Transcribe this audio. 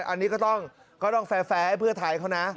อันนี้ก็ต้องแฟร์ให้เพื่อไทยเขานะ